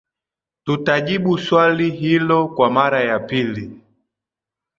tutajibu swali hilo kwa mara ya pili